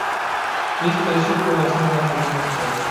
بىز تىرىشىپ بۇ مەسىلىنى ھەل قىلىشىمىز كېرەك.